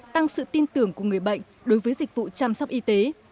tăng sự tin tưởng của người bệnh đối với dịch vụ chăm sóc y tế